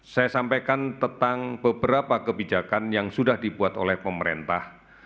saya sampaikan tentang beberapa kebijakan yang sudah dibuat oleh pemerintah